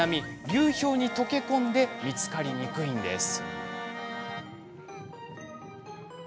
流氷に溶け込んで見つかりにくいです。